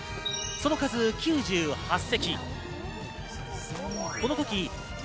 その数９８席。